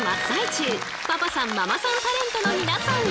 パパさんママさんタレントの皆さん！